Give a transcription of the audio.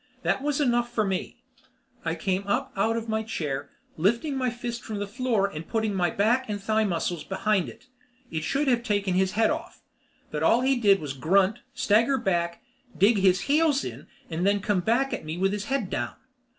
That was enough for me. I came up out of my chair, lifting my fist from the floor and putting my back and thigh muscles behind it. It should have taken his head off, but all he did was grunt, stagger back, dig his heels in, and then come back at me with his head down.